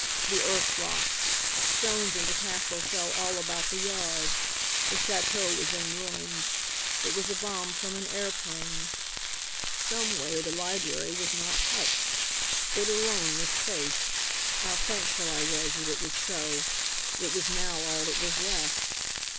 The earth rocked. Stones of the castle fell all about the yard. The chateau was in ruins. It was a bomb from an airplane. "Someway the library was not touched. It alone was safe. How thankful I was that it was so. It was now all that was left.